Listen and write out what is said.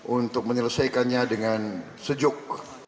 untuk menyelesaikannya dengan sejuk